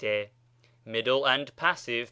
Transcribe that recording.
MIDDLE AND PASSIVE. Pres.